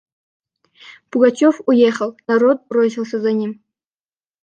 Пугачев уехал; народ бросился за ним.